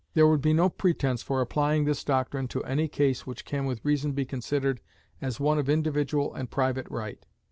There would be no pretense for applying this doctrine to any case which can with reason be considered as one of individual and private right.